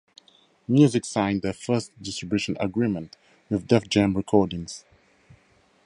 Music signed their first distribution agreement, with Def Jam Recordings.